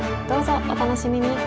どうぞお楽しみに！